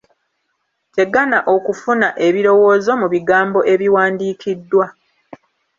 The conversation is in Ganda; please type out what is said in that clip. Tegana okufuna ebirowoozo mu bigambo ebiwandikiddwa.